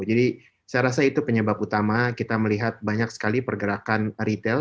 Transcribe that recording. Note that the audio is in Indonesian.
jadi saya rasa itu penyebab utama kita melihat banyak sekali pergerakan retail